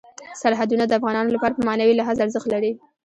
سرحدونه د افغانانو لپاره په معنوي لحاظ ارزښت لري.